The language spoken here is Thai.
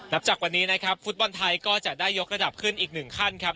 จากวันนี้นะครับฟุตบอลไทยก็จะได้ยกระดับขึ้นอีกหนึ่งขั้นครับ